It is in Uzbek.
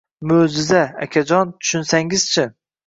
Mo»jiza, akajon, tushunsangiz-chi!